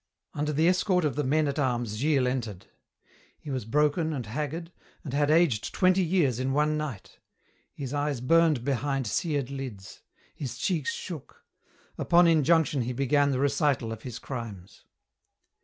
Under the escort of the men at arms Gilles entered. He was broken and haggard and had aged twenty years in one night. His eyes burned behind seared lids. His cheeks shook. Upon injunction he began the recital of his crimes.